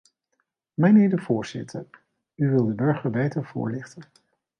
Mijnheer de voorzitter, u wil de burger beter voorlichten.